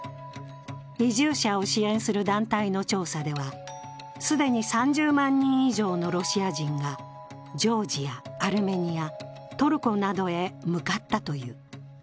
移住者を支援する団体の調査では既に３０万人以上のロシア人がジョージア、アルメニア、トルコなどへ向かったという。